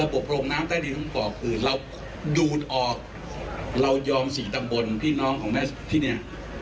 บอกคือเราดูดออกเรายอมสี่ตำบนพี่น้องของแม่ที่เนี้ย